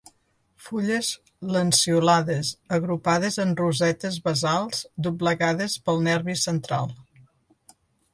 Fulles lanceolades, agrupades en rosetes basals doblegades pel nervi central.